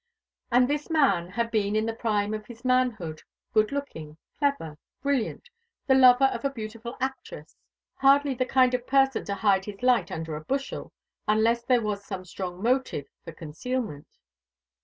And this man had been in the prime of his manhood, good looking, clever, brilliant, the lover of a beautiful actress. Hardly the kind of person to hide his light under a bushel, unless there was some strong motive for concealment.